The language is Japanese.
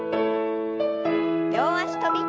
両脚跳び。